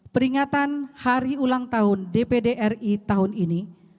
peringatan hari ulang tahun dpd ri tahun ini